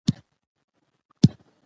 پلېټفارم جوړ شو.